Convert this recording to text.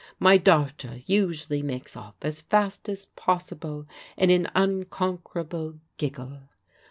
"My darter" usually makes off as fast as possible, in an unconquerable giggle.